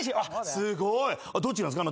すごい！どっちなんですか？